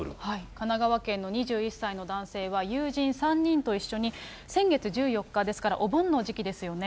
神奈川県の２１歳の男性は、友人３人と一緒に先月１４日、ですから、お盆の時期ですよね。